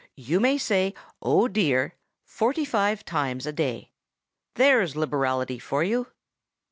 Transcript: You may say "Oh, dear!" forty five times a day. There's liberality for you!